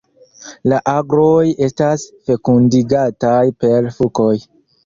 La agroj estas fekundigataj per fukoj.